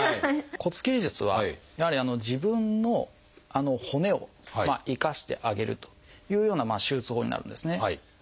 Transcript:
骨切り術はやはり自分の骨を生かしてあげるというような手術法になるんですね。